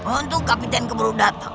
untung kapten keberudatan